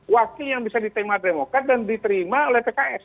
wakil yang bisa ditema demokrasi dan diterima oleh pks